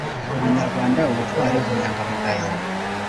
ubunyarwanda, ubutwari, ubunyangamugayo